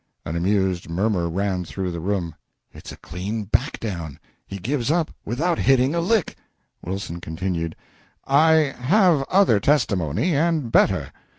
[An amused murmur ran through the room "It's a clean backdown! he gives up without hitting a lick!"] Wilson continued "I have other testimony and better.